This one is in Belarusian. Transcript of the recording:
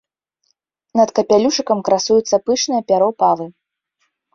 Над капялюшыкам красуецца пышнае пяро павы.